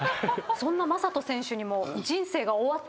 そんな正人選手にも。